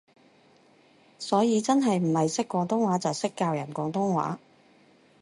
所以真係唔係識廣東話就識教人廣東話